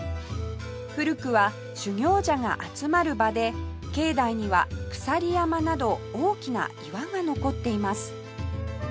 古くは修行者が集まる場で境内にはくさり山など大きな岩が残っています